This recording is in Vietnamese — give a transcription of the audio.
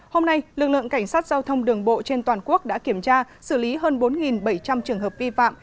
hôm nay lực lượng cảnh sát giao thông đường bộ trên toàn quốc đã kiểm tra xử lý hơn bốn bảy trăm linh trường hợp vi phạm